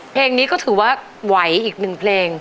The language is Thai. เพลงนี้ก็ถือว่าไหวอีกหนึ่งเพลง